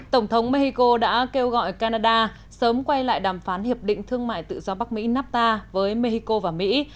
tổng thống mexico đã kêu gọi canada sớm quay lại đàm phán hiệp định thương mại tự do bắc mỹ nafta với mexico và mỹ